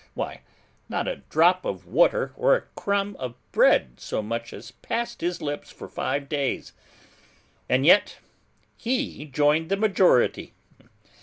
Why, not a drop of water or a crumb of bread so much as passed his lips for five days; and yet he joined the majority!